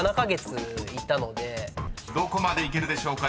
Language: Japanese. ［どこまでいけるでしょうか？